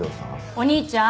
お兄ちゃん。